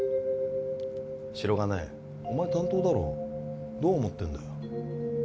白金お前担当だろどう思ってんだよ